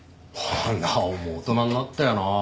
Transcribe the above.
奈央も大人になったよなあ。